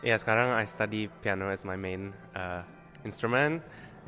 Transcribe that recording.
ya sekarang saya belajar piano sebagai instrumen utama saya